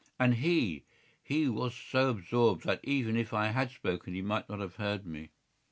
And he—he was so absorbed that even if I had spoken he might not have heard me.